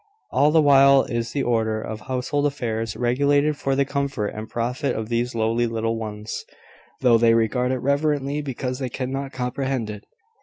All the while is the order of household affairs regulated for the comfort and profit of these lowly little ones, though they regard it reverently because they cannot comprehend it.